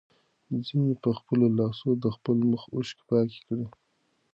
ښځې په خپلو لاسو د خپل مخ اوښکې پاکې کړې.